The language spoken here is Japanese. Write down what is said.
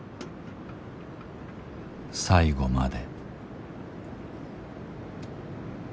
最後まで。